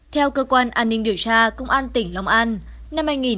theo cơ quan an ninh điều tra công an tỉnh long an